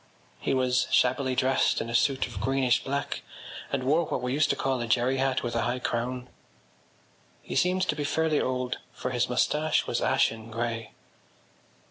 He was shabbily dressed in a suit of greenish black and wore what we used to call a jerry hat with a high crown. He seemed to be fairly old for his moustache was ashen grey.